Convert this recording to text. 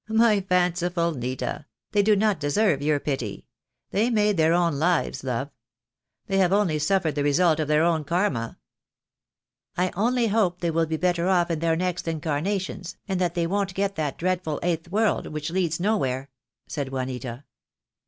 "My fanciful Nita, they do not deserve your pity. They made their own lives, love. They have only suffered the result of their own Karma." "I only hope they will be better off in their next in carnations, and that they won't get to that dreadful eighth world which leads nowhere," said Juanita.